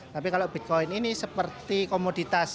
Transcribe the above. tapi kalau bitcoin ini seperti komoditas